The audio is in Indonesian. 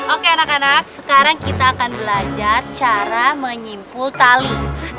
oke anak anak sekarang kita akan belajar cara menyimpul tali